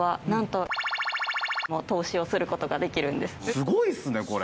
すごいっすねこれ。